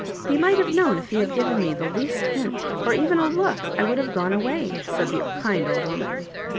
He might have known if he had given me the least hint, or even a look, I would have gone away," said the kind old woman.